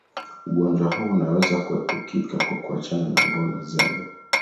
ugonjwa huu unaweza kuepukika kwa kuachana na ngono zembe